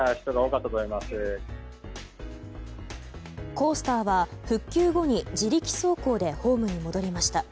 コースターは復旧後に自力走行でホームに戻りました。